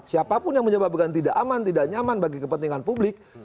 siapapun yang menyebabkan tidak aman tidak nyaman bagi kepentingan publik